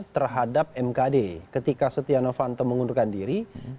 terhadap mkd ketika setia novanto mengundurkan diri